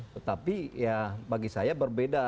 tetapi ya bagi saya berbeda